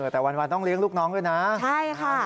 แต่วันต้องเลี้ยงลูกน้องด้วยนะใช่ค่ะ